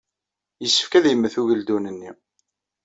Yessefk ad yemmet ugeldun-nni.